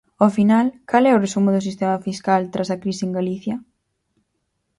Ao final ¿cal é o resumo do sistema fiscal tras a crise en Galicia?